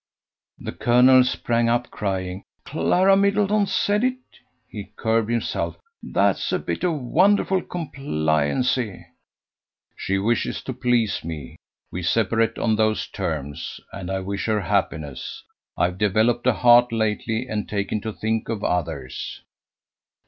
The colonel sprang up, crying: "Clara Middleton said it?" He curbed himself "That's a bit of wonderful compliancy." "She wishes to please me. We separate on those terms. And I wish her happiness. I've developed a heart lately and taken to think of others."